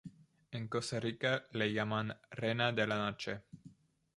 En Costa Rica le llaman "reina de la noche".